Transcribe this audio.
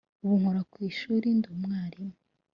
ubu nkora ku ishuri ndi umwarimu